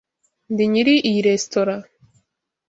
Ndi nyiri iyi resitora.